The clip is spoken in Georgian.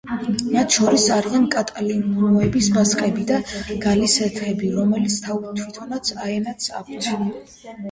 მათ შორის არიან კატალონიელები, ბასკები და გალისიელები, რომელთაც თავიანთი ენაც აქვთ.